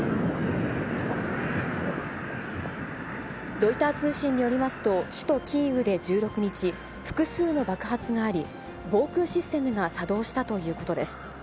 ロイター通信によりますと、首都キーウで１６日、複数の爆発があり、防空システムが作動したということです。